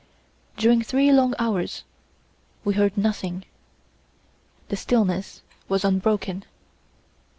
During three long hours we heard nothing; the stillness was unbroken.